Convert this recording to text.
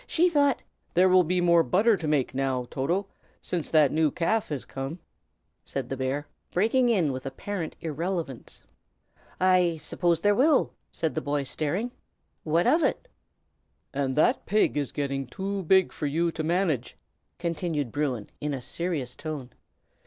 She thought " "There will be more butter to make, now, Toto, since that new calf has come," said the bear, breaking in with apparent irrelevance. "I suppose there will!" said the boy, staring. "What of it?" "And that pig is getting too big for you to manage," continued Bruin, in a serious tone.